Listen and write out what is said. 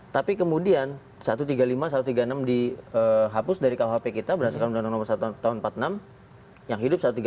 tapi kemudian satu ratus tiga puluh lima satu ratus tiga puluh enam dihapus dari kuhp kita berdasarkan undang undang nomor satu tahun seribu sembilan ratus empat puluh enam yang hidup satu ratus tiga puluh